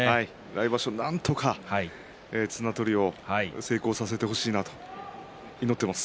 なんとか綱取りを成功させてほしいなと祈っています。